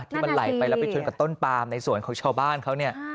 ที่มันไหลไปแล้วไปชนกับต้นปามในสวนของชาวบ้านเขาเนี่ย